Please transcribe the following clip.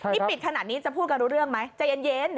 นี่ปิดขนาดนี้จะพูดกันรู้เรื่องไหมใจเย็น